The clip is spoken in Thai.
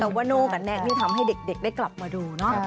แต่ว่าโน่กับแนกนี่ทำให้เด็กได้กลับมาดูเนาะ